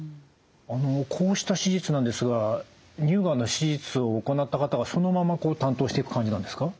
あのこうした手術なんですが乳がんの手術を行った方がそのまま担当していく感じなんですか？